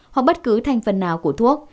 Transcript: hoặc bất cứ thành phần nào của thuốc